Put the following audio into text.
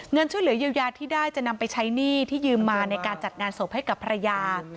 ช่วยเหลือเยียวยาที่ได้จะนำไปใช้หนี้ที่ยืมมาในการจัดงานศพให้กับภรรยา